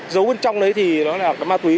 giấu bên trong đấy thì nó là ma túy